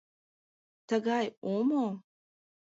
Тыгай омо...